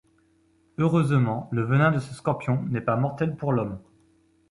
Heureusement, le venin de ce scorpion n'est pas mortel pour l'homme.